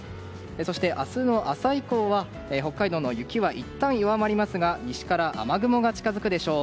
そして、明日の朝以降北海道の雪はいったん弱まりますが西から雨雲が近づくでしょう。